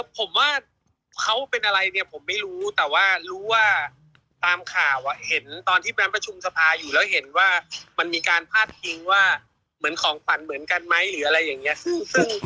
ผมว่าเขาเป็นอะไรเนี่ยผมไม่รู้แต่ว่ารู้ว่าตามข่าวเห็นตอนที่ไปประชุมสภาอยู่แล้วเห็นว่ามันมีการพาดพิงว่าเหมือนของฝันเหมือนกันไหมหรืออะไรอย่างนี้